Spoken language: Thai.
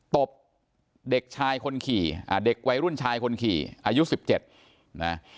ตบเด็กชายคนขี่เด็กวัยรุ่นชายคนขี่อายุ๑๗นะ